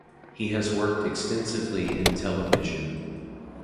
He has worked extensively in television.